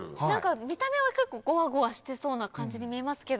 見た目は結構ゴワゴワしてそうな感じに見えますけど。